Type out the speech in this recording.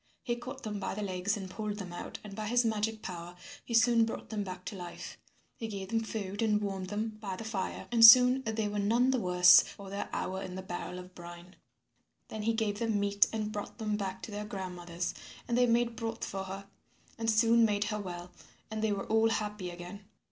He caught them by the legs and pulled them out and by his magic power he soon brought them back to life. He gave them food and warmed them by the fire and soon they were none the worse for their hour in the barrel of brine. Then he gave them meat and brought them back to their grandmother. And they made broth for her and soon made her well, and they were all happy again.